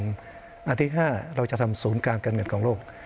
ข้อที่ห้าเราจะทำสูงการเกิดเงินของโลก